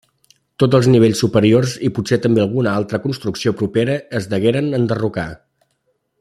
Tots els nivells superiors i potser també alguna altra construcció propera es degueren enderrocar.